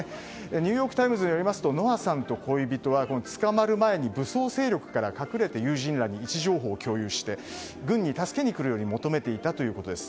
ニューヨーク・タイムズによりますとノアさんと恋人は武装勢力から隠れて友人らの位置情報を共有して軍に助けに来るように求めていたということです。